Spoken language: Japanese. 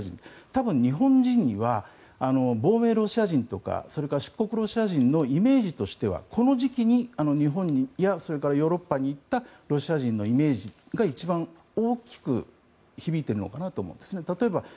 多分日本人には亡命ロシア人とか出国ロシア人のイメージとしてはこの時期に日本やヨーロッパに行ったロシア人のイメージが一番大きく響いているのかなと思います。